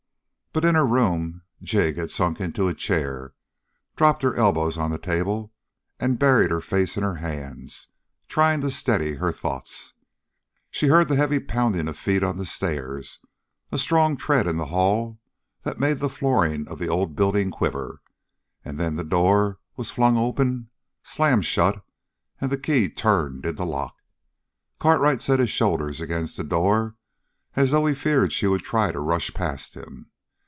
But in her room Jig had sunk into a chair, dropped her elbows on the table, and buried her face in her hands, trying to steady her thoughts. She heard the heavy pounding of feet on the stairs, a strong tread in the hall that made the flooring of the old building quiver, and then the door was flung open, slammed shut, and the key turned in the lock. Cartwright set his shoulders against the door, as though he feared she would try to rush past him.